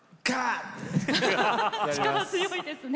力強いですね。